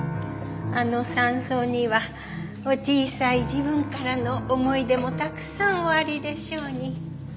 あの山荘にはお小さい時分からの思い出もたくさんおありでしょうに。